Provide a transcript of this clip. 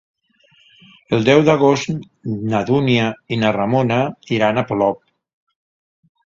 El deu d'agost na Dúnia i na Ramona iran a Polop.